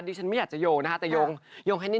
วันนี้เจ้าตัวอายุ๒๗ปี